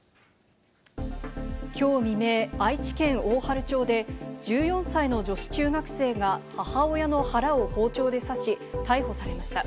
きょう未明、愛知県大治町で１４歳の女子中学生が母親の腹を包丁で刺し、逮捕されました。